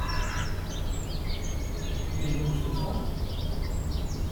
Il est donc souffrant ?